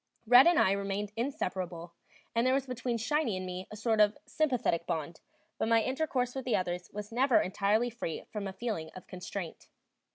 "Red" and I remained inseparable, and there was between "Shiny" and me a sort of sympathetic bond, but my intercourse with the others was never entirely free from a feeling of constraint.